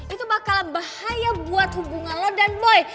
itu bakalan bahaya buat hubungan lo dan boy